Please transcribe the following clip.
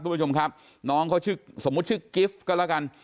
คุณผู้ชมครับน้องเขาชื่อสมมุติชื่อกิฟต์ก็แล้วกัน